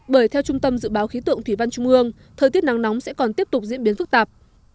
bởi theo trung tâm dự báo khí tượng thủy văn trung ương thời tiết nắng nóng sẽ còn tiếp tục diễn biến phức tạp